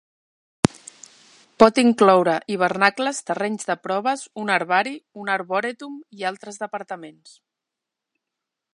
Pot incloure hivernacles, terrenys de proves, un herbari, un arborètum i altres departaments.